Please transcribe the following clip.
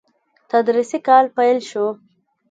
تدريسي کال پيل شو.